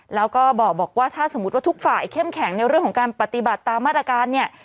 แล้วก็บอกว่าถ้าสมมุติว่าทุกฝ่ายเข้มแข็งในเรื่องของการปฏิบัติตามมาตรการเนี่ย